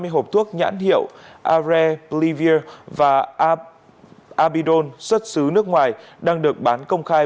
ba mươi hộp thuốc nhãn hiệu areplivir và abidol xuất xứ nước ngoài đang được bán công khai